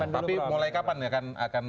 tapi mulai kapan akan